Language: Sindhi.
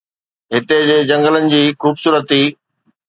هتي جي جنگلن جي خوبصورتي